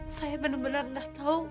saya benar benar tidak tahu